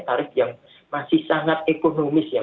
tarif yang masih sangat ekonomis ya